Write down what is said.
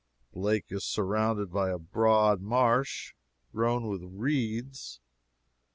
The Lake is surrounded by a broad marsh, grown with reeds.